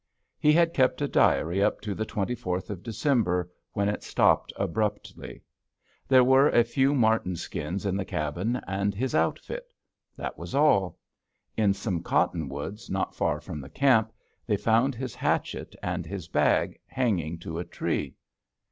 He had kept a diary up to the 24th of December, when it stopped abruptly. There were a few marten skins in the cabin, and his outfit. That was all. In some cottonwoods, not far from the camp, they found his hatchet and his bag hanging to a tree.